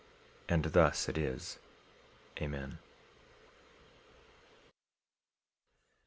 And thus it is. Amen.